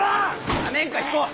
やめんか彦。